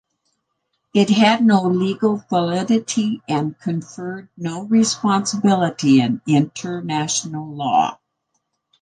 It had no legal validity and conferred no responsibility in international law.